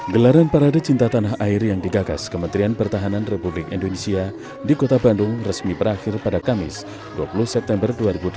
gelaran parade cinta tanah air yang digagas kementerian pertahanan republik indonesia di kota bandung resmi berakhir pada kamis dua puluh september dua ribu delapan belas